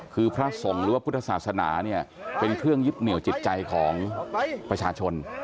คือพระสงฆ์หรือว่าพุทธศาสนาเนี่ยเป็นเครื่องยึดเหนียวจิตใจของประชาชน